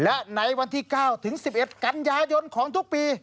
และในวันที่๙ถึง๑๑กันยายนของทุกปี